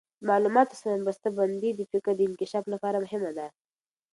د معلوماتو سمه بسته بندي د فکر د انکشاف لپاره مهمه ده.